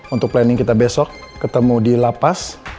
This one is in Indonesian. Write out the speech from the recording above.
untuk planning kita besok ketemu di lapas